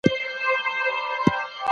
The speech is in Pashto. علمي برتري د ټولني د پرمختګ لامل کیږي.